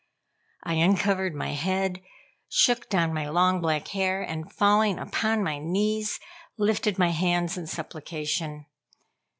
I uncovered my head, shook down my long black hair, and falling upon my knees, lifted my hands in supplication.